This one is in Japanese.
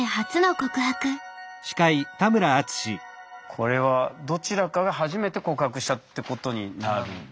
これはどちらかが初めて告白したってことになるんでしょうね。